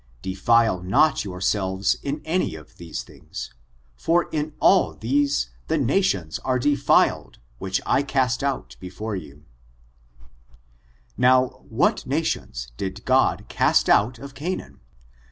Defile not yourselves in any of these things : for in all these the nations are defiled which I cast out before you." J ' FOBTUNES, OF THE MEQRO RACE. 179 ^ Now, what nations did God cast out of Canaan?